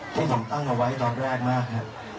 ที่ผมตั้งเอาไว้ตอนแรกมากครับ